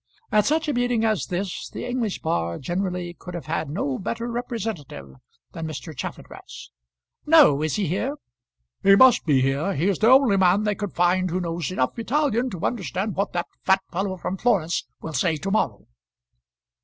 At such a meeting as this the English bar generally could have had no better representative than Mr. Chaffanbrass. "No; is he here?" "He must be here. He is the only man they could find who knows enough Italian to understand what that fat fellow from Florence will say to morrow."